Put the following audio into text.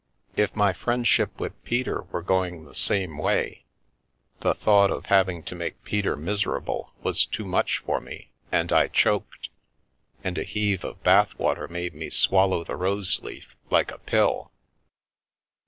If my friendship with Peter were going the same way — the thought of having to make Peter miserable was too much for me, and I choked, and a heave of bath water made me swallow the rose leaf like a pill.